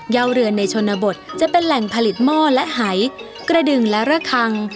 ยาวเรือนในชนบทจะเป็นแหล่งผลิตหม้อและหายกระดึงและระคัง